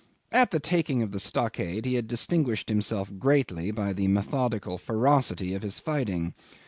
At the taking of the stockade he had distinguished himself greatly by the methodical ferocity of his fighting.